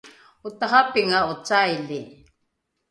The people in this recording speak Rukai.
otarapinga’o caili?